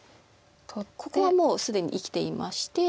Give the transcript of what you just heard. ここはもう既に生きていまして。